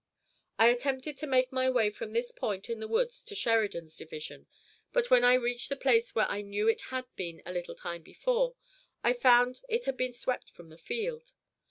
I attempted to make my way from this point in the woods to Sheridan's division, but when I reached the place where I knew it had been a little time before, I found it had been swept from the field.